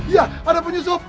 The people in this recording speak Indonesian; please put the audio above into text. iya ada pak yusuf